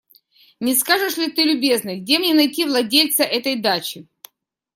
Не скажешь ли ты, любезный, где мне найти владельца этой дачи?